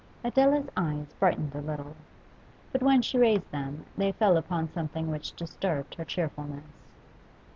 Adela's eyes brightened a little. But when she raised them, they fell upon something which disturbed her cheerfulness.